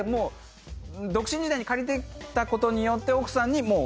独身時代に借りてたことによって奥さんにもう。